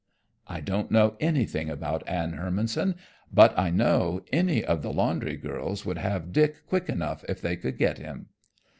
"I don't know anything about Anne Hermanson, but I know any of the laundry girls would have Dick quick enough if they could get him."